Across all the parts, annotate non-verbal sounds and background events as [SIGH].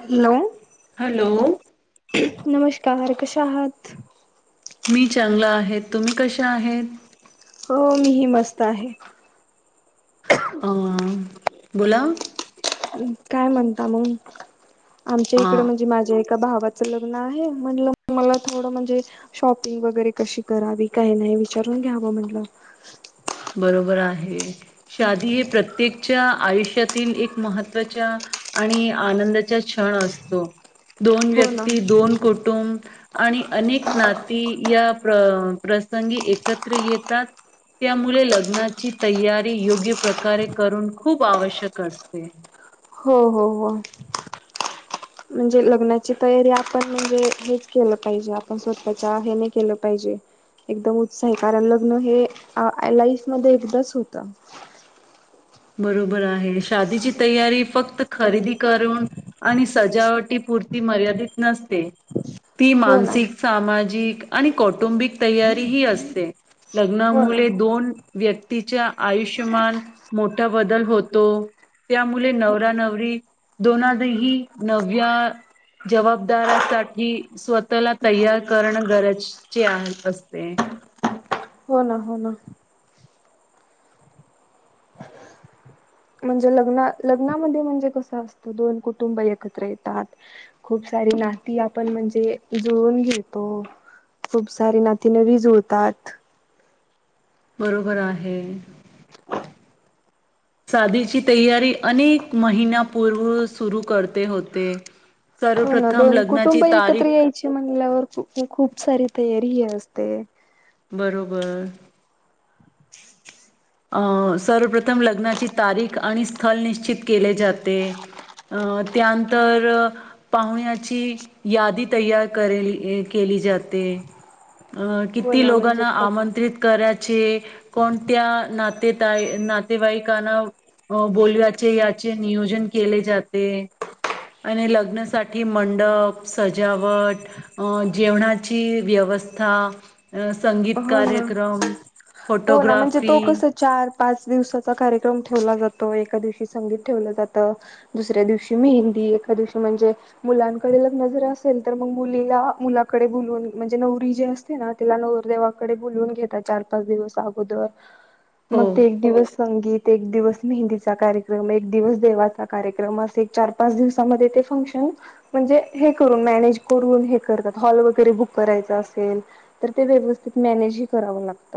Hello hello काहार, कश्या आहात? मी चांगलं आहेत, तुम्ही कश्या आहेत? हो, मीही मस्त आहे. अ बोला काय म्हणता मग? आमच्या हा इकडें म्हणजे माझ्या एका भावाचं लग्न आहे, म्हणलं मला थोडं म्हणजे शॉपिंग वगैरे कशी करावी काही नाही विचारून घ्याव म्हणलं. बरोबर आहे. शादी हे प्रत्येक च्या आयुष्यातील एक महत्वाच्या आणि आनंदाचा क्षण असतो. दोन हो ना. व्यक्ती दोन कुटुंब आणि अनेक नाती या प्रसंगी एकत्र येतात. त्यामुळे लग्नाची तयारी योग्य प्रकारे करून खूप आवश्यक असते. हो! हो! हो! म्हणजे लग्नाची तयारी आपण म्हणजे हेच केलं पाहिजे आपण स्वतःच्या हे नाही केलं पाहिजे एकदम उत्साही कारण लग्न हे लाईफ मध्ये एकदाच होत. बरोबर आहे, शादीची तयारी फक्त खरेदी करून आणि सजावटीपुरती मर्यादित नसते. ती हो ना मानसिक, सामाजिक आणि कौटुंबिक तयारी ही असते. हो ना लग्नामुले दोन व्यक्तीच्या आयुष्यमान मोठा बदल होतो, त्यामुले नवरा नवरी दोनाही नव्या जबाबदारासाठी स्वतःला तयार करणं गरजचे असते. हो ना हो ना म्हणजे लग्ना लग्नामध्ये म्हणजे कसं असतं. दोन कुटुंब एकत्र येतात. खूप सारी नाती आपण म्हणजे जुळून घेतो. खूप सारी नाती नवी जुळतात. बरोबर आहे शादीची तयारी अनेक महिन्यापूर्व सुरू करते होते. हो ना सर्वप्रथम दोन लग्नाची कुटुंब एकत्र तारीख यायची म्हणल्यावर खूप सारी तयारी ही असते. ते बरोबर अं सर्वप्रथम लग्नाची तारीख आणि स्थल निश्चित केले जाते. अ यानंतर पाहुण्याची यादी तयार करेली केली जाते. अ हो किती ना म्हणजे लोकांना आमंत्रित करायचे. कोणत्या नातेताई नातेवाईकांना बोल्याचे याचे नियोजन केले जाते. आणि लग्नासाठी मंडप सजावट अ जेवणाची व्यवस्था संगीत हो ना कार्यक्रम, हो ना म्हणजे फोटोग्राफी तो कस चार पाच दिवसाचा कार्यक्रम ठेवला जातो. एका दिवशी संगीत ठेवलं जातं दुसऱ्या दिवशी मेहंदी एका दिवशी म्हणजे मुलांकडे लग्न जर असेल तर मग मुलीला मुलाकडे बोलूवन म्हणजे नवरी जे असते ना त्याला नवर देेवाकडे बोलवून घेतात चार पाच दिवस अगोदर. मग हो, ते एक दिवस संगीत एक दिवस मेहंदीचा कार्यक्रम एक दिवस देवाचा कार्यक्रम असे चार पाच दिवसामध्ये ते फंक्शन म्हणजे हे कर मनेज करून हे करतात. हॉल वगैरे बुक करायच असेल तर व मॅनेज ह करावं लागत.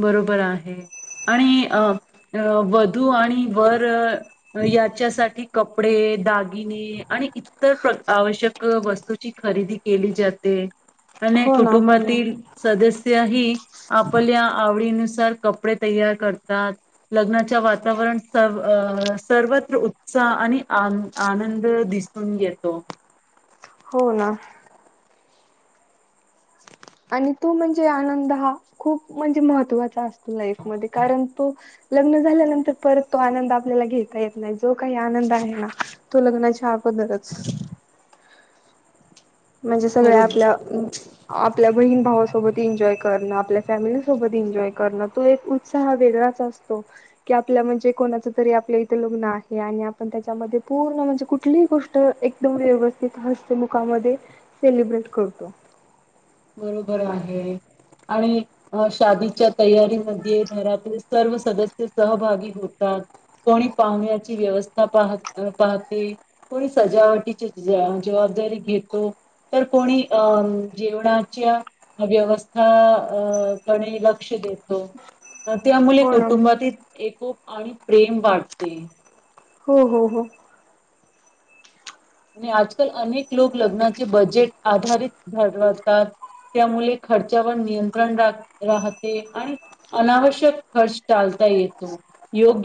बरोबर आहे आणि वधू आणि वर याच्यासाठी क कपडे दागिने आणि इतर आवश्यक वस्तूची खरेदी केली जाते. अनेक हो ना हो ना कुटुंबातील सदस्य ही आपल्या आवडी नुसार कपडे तयार करतात लग्नाच्या वातावरण स सर्वत्र उत्साह आणि आनंद दिसून येतो. हो ना आणि तो म्हणजे आनंद हा खूप म्हणजे महत्वाचा असतो. लाईफ मध्ये कारण तो लग्न झाल्यानंतर परत तो आनंद आपल्याला घेता येत नाही. जो काही आनंद आहे. ना तो लग्नाच्या अगोदरच. म्हणजे सगळ्या बरोबर. आपल्या आपल्या बहीण भावासोबत एन्जॉय करणं आपल्या फॅमिलीसोबत एन्जॉय करणं. तो एक उत्साह वेगळाच असतो. की आपला म्हणजे कोणाच तरी आपलं इथे लग्न आहे. आणि आपण त्याच्यामध्ये पूर्ण म्हणजे कुठलीही गोष्ट एकदम व्यवस्थित हास्य मुखाने सेलिब्रेट करतो. बरोबर आहे. आणि शादीच्या तयारीमध्ये घरातले सर्व सदस्य सहभागी होतात. कोणी पाहुण्याची व्यवस्था पाह पाहते. कोणी सजावटीची जबाबदारी घेतो. तर कोणी अ जेवणा च्या व्यवस्था अ कडे लक्ष देतो. तर त्या मुळे हो ना कुटुंबातील एकोप आणि प्रेम वाटते. हो हो हो आणि आजकाल अनेक लोक लग्नाचे बजेट आधारित ठरवता. त त्यामुळे खर्चावर नियंत्रण रा राहते. आणि अनावश्यक खर्च टालता येतो योग्य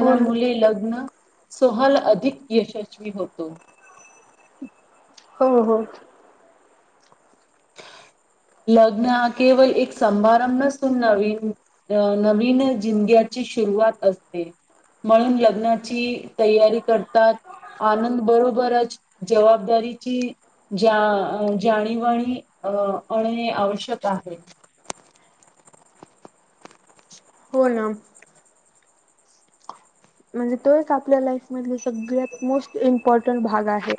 हो ना मुळे लग्न सोहला अधिक यशस्वी होतो. ह हो हो लग्न हा केवळ एक सभारंभ नसून नवीन अ नवीन जिंदग्याची सुरुवात असते म्हणून लग्नाची तयारी करतात. आनंद बरोबरच जबाबदारीची जाणीवानी अं आणणे आवश्यक आहे. हो ना म्हणजे तो एक आपल्या लाईफ मधला सगळ्यात मोस्ट इम्पॉर्टंट भाग आहे.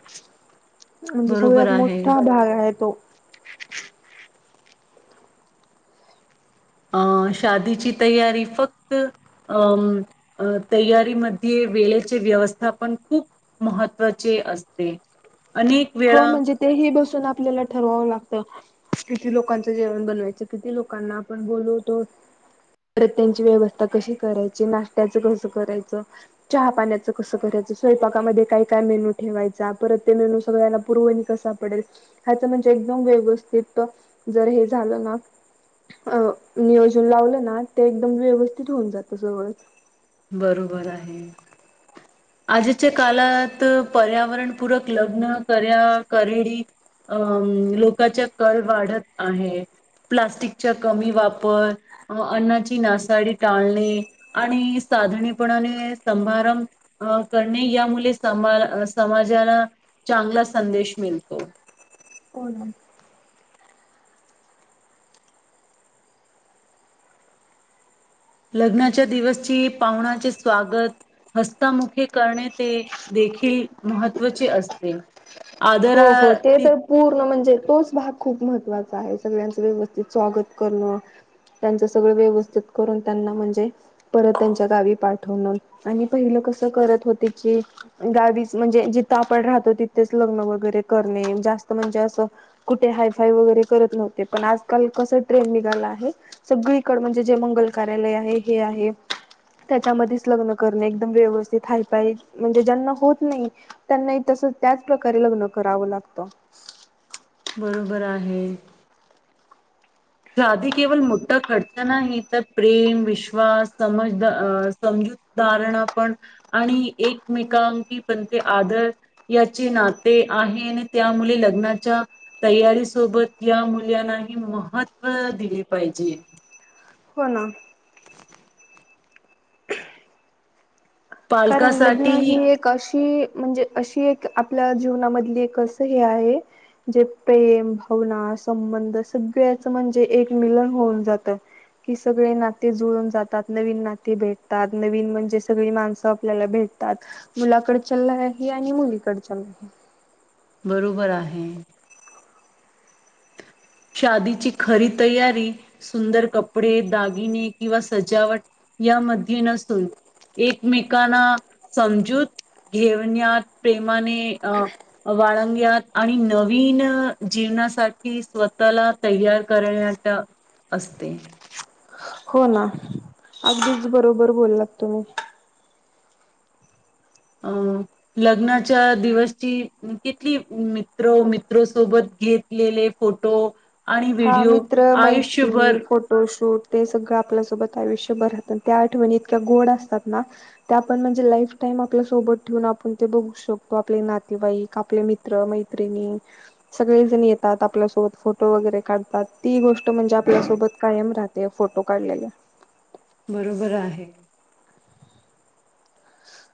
म्हणजे बरोबर सगळ्यात आहे. मोठा भाग आहे तो. अं शादीची तयारी फक्त अं तयारीमध्ये वेळेचे व्यवस्थापन खूप महत्वाचे असते. अनेक हो वेळा म्हणजे तेही बसून आपल्याला ठरवावं लागत. किती लोकांचं जेवण बनवायचं किती लोकांना आपण बोलवतो परत त्यांची व्यवस्था कशी करायची नाश्ता च कसं करायचं चहा पाण्याच कसं करायचं स्वयंपाकामध्ये काय काय मेनू ठेवायचा परत ते मेनू सगळ्या पुरवणी कसा पडेल ह्याच म्हणजे एकदम व्यवस्थित जर हे झालं ना नियोजन लावलं ना ते एकदम व्यवस्थित होऊन जात सगळ. बरोबर आहे. आजीच्या काळात पर्यावरणपूरक लग्न कर्या करेडी अं लोकांच्या कल वाढत आहे. प्लास्टिकचा कमी वापर अन्नाची नासाडी टाळणे आणि साधणीपणाने सभारंभ अं करणे या मुले समा समाजाला चांगला संदेश मिळतो. हो ना. लग्नाच्या दिवसची पाहुणाचे स्वागत हस्तामुखे करणे ते देखील महत्त्वाचे असते. हो आदरा हो ते ती तर पूर्ण म्हणजे तोच भाग खूप महत्त्वाचा आहे सगळ्यांचं व्यवस्थित स्वागत करणं त्यांचं सगळं व्यवस्थित करून त्यांना म्हणजे परत त्यांच्या गावी पाठवणं आणि पहिलं कसं करत होते की गावीच म्हणजे जिथं आपण राहतो तिथेच लग्न ब र जास्त म्हणजे अस कुठे हायफाय वगैरे करत नव्हते पण आजकाल कस ट्रेंड निघाला आहे सगळीकडे म्हणजे जे मंगल कार्यालय आहे हे आहे त्याच्यामध्येच लग्न करणे एकदम व्यवस्थित हायफाय म्हणजे ज्यांना होत नाही त्यांनाही तस त्याच प्रकारे लग्न करावं लागतो. बरोबर आहे. शधी केवळ मोठा खर्च नाही तर प्रेम विश्वास समज समजूत धारणा पण आणि एकमेकांकी पण ते आदर याचे नाते आहे आणि त्या मुले लग्नाच्या तयारी सोबत या मुलांनाही मह अ दिली पाहिजे. हो ना. कारण लग्न पालकासाठीही हे एक म्हणजे अशी एक आपल्या जीवनामधली एक असं हे आहे जे प्रेम भावना संबंध सगळ्याच म्हणजे एक मिलन होऊन जात की सगळे नाते जुळून जातात नवीन नाते भेटतात नवीन म्हणजे सगळी माणस. आपल्याला भेटतात मुलाकडच्या आणि मुलीकडच्या बरोबर आहे. शादीची खरी तयारी सुंदर कपडे दागिने किंवा सजावट यामध्ये नसून एकमेकांना समजूत घेवण्यात प्रेमाने अ बाळगण्यात आणि नवीन जीवनासाठी स्व तला तयार करण्या असते. हो ना अगदीच बरोबर बोललात तुम्ही अं लग्नाच्या दिवसची किथली मित्र मित्रो सोबत घेतलेले फोटो आणि हा व्हिडिओ मित्र मैत्रिणी आयुष्यभर फोटोशूट ते सगळं आपल्या सोबत आयुष्यभरहत त्या आठवणी इतक्या गोड असतात ना ते आपण म्हणजे लाईफ टाईम आपल्या सोबत ठेवून आपण ते बघू शकतो आपले नातेवाईक आपले मित्र मैत्रिणी सगळे जण येतात आपल्यासोबत फोटो वगैरे काढतात ती गोष्ट. म्हणजे आपल्यासोबत कायम राहात. ते फोटो काढलेले. बरोबर आहे.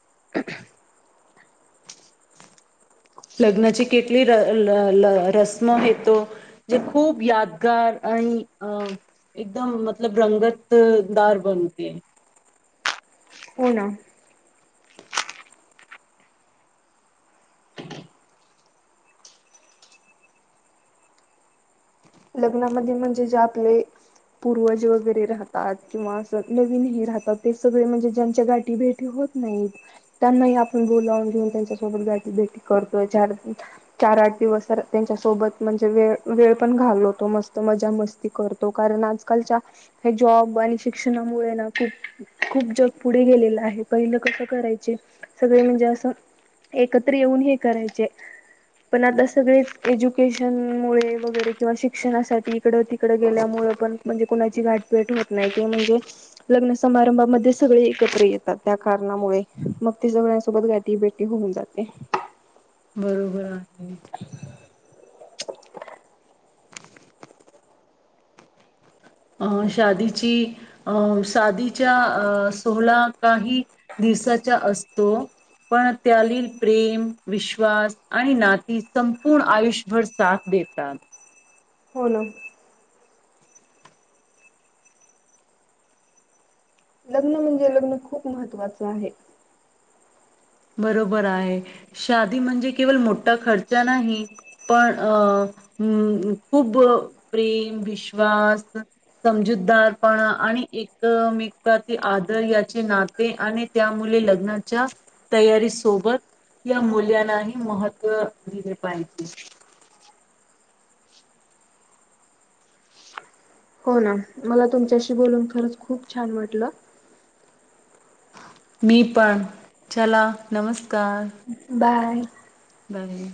[INAUDIBLE] लग्नाची केटली रस्म येतो जे खूप यादगार आणि अं एकदम मतलब रंगतदार बनते. हो ना. लग्नामध्ये म्हणजे जे आपले पूर्वज वगैरे राहतात किंवा अस नवीन राहतात ते सगळे म्हणजे ज्यांच्या गाठीी भेटी होत नाहीत त्यांनाही आपण बोलावून घेऊन त्यांच्या सोबत गाटी भेटी करतोय चार चार आठ दिवस त्यांच्या सोबत म्हणजे वेळ वेळ पण घालो. मत मजा मस् करतो कारण आजकालच्या हे जॉब आणि शिक्षणामुळे ना खूप खूप जग पुढे गेलेलं आहे पहिलं कस करायचे सगळे म्हणजे अस एकत्र येऊन हे करायचे पण आता सगळे एज्युकेशन मु वगैरे किंवा श शिक्षणासाठी इकड तिकड गेल्यामुळे पण म्हणजे कोणाची गाटबेट होत नाही ते म्हणजे लग्न समारंभामध्ये सगळे एकत्र येतात त्या कारणामुळे मग ते सगळ्यांसोबत गाठीी बेटी होऊन जाते. बरोबर आहे. अं शादीची अं शादीच्या अ सोला काही दिवसाचा असतो पण त्यातील प्रेम विश्वास आणि नाती संपूर्ण आयुष्यभर साथ देतात. हो ना. लग्न म्हणजे लग्न खूप महत्त्वाचं आहे. बरोबर आहे शादी म्हणजे केवळ मोठा खर्चा नाही पण अ खूप प्रेम विश्वास समजूतदारपणा आणि एकमेकील आदर याचे नाते आणि त्या मुले लग्नाच्या तयारी सोबत या मुल्यांनाही महत्त्व दिले पाहिजे. हो ना मला तुमच्याशी बोलून खरंच खूप छान वाटलं. मी पण चला नमस्कार. बाय. नाही.